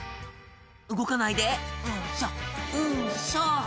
「動かないでうんしょうんしょ」